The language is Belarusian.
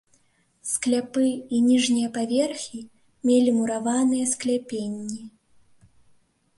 Скляпы і ніжнія паверхі мелі мураваныя скляпенні.